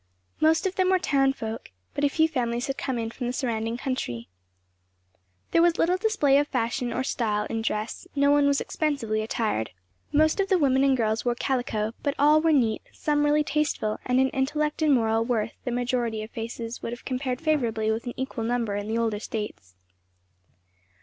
Most of them were town folk, but a few families had come in from the surrounding country. There was little display of fashion or style in dress; no one was expensively attired; most of the women and girls wore calico; but all were neat, some really tasteful; and in intellect and moral worth, the majority of faces would have compared favorably with an equal number in the older States.